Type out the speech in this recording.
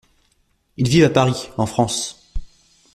Ils vivent à Paris, en France.